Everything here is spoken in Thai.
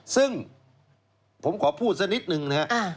ซึ่งผมขอพูดสักนิดนึงนะครับ